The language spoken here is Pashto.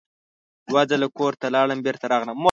دوه ځله کور ته لاړم بېرته راغلم.